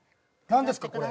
何ですか？